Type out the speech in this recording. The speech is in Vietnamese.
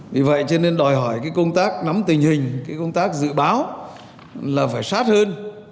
vì vậy cho nên đòi hỏi công tác nắm tình hình cái công tác dự báo là phải sát hơn